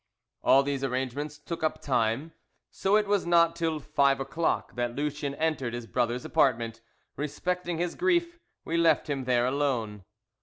All these arrangements took up time, so it was not till five o'clock that Lucien entered his brother's apartment. Respecting his grief, we left him there alone.